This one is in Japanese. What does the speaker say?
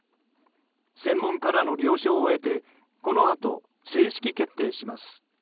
専門家らの了承を得てこのあと正式決定します。